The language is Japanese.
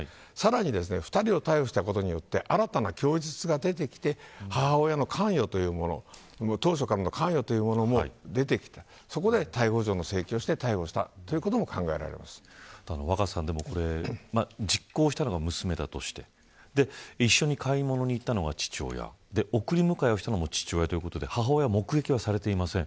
さらに２人を逮捕したことで新たな供述が出てきて母親の関与というものが当初から関与してるということが出てきて、逮捕状の請求をして逮捕したということも実行したのが娘だとして一緒に買い物に行ったのは父親送り迎えをしたのも父親ということで母親は目撃されていません。